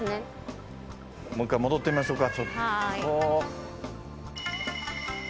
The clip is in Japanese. もう一回戻ってみましょうか。